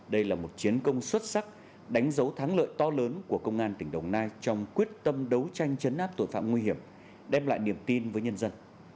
đây là một chiến công xuất sắc đánh dấu thắng lợi to lớn của công an tỉnh đồng nai trong quyết tâm đấu tranh chấn áp tội phạm nguy hiểm đem lại niềm tin với nhân dân